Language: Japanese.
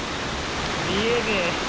見えねえ。